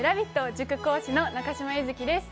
塾講師の中嶋優月です。